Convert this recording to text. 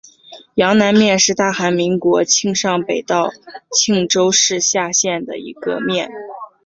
阳南面是大韩民国庆尚北道庆州市下辖的一个面。